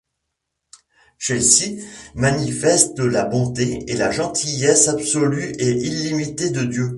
Chesed manifeste la bonté et la gentillesse absolue et illimitée de Dieu.